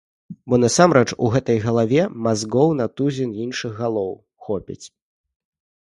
Бо насамрэч у гэтай галаве мазгоў на тузін іншых галоў хопіць.